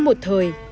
đã có một thời